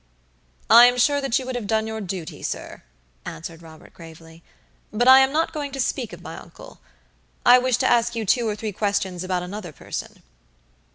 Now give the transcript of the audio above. "I am sure that you would have done your duty, sir," answered Robert, gravely. "But I am not going to speak of my uncle. I wish to ask you two or three questions about another person."